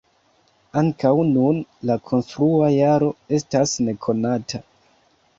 Ankaŭ nun la konstrua jaro estas nekonata.